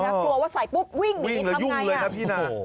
ความกลัวว่าใส่ปุ๊บวิ่งหนีทำอย่างไรหรืออยุ่งเลยครับพี่น่าโอ้โฮ